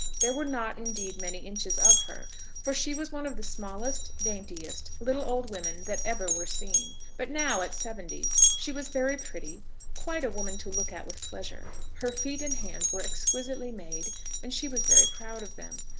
There were not, indeed, many inches of her, for she was one of the smallest, daintiest, little old women that ever were seen. But now, at seventy, she was very pretty, quite a woman to look at with pleasure. Her feet and hands were exquisitely made, and she was very proud of them.